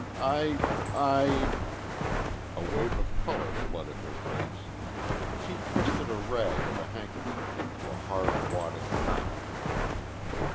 "I ... I ..." A wave of color flooded her face. She twisted a rag of a handkerchief into a hard wadded knot.